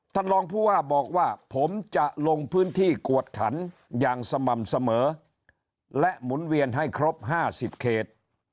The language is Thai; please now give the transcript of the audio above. ท่านรองผู้ว่าบอกว่าผมจะลงพื้นที่กวดขันอย่างสม่ำเสมอและหมุนเวียนให้ครบ๕๐เขต